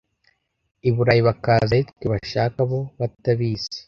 I Burayi bakaza ari twe bashaka bo batabizi.